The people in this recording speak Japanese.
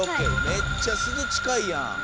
めっちゃすず近いやん！